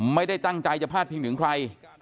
ไม่ได้ตั้งใจจะพาดพิงถึงใคร